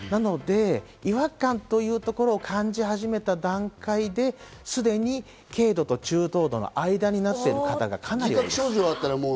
違和感というところを感じ始めた段階ですでに軽度と中等度の間になっている方がほとんどです。